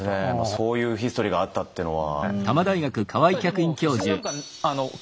そういうヒストリーがあったってのは。